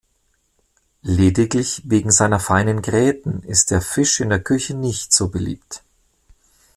Lediglich wegen seiner feinen Gräten ist der Fisch in der Küche nicht so beliebt.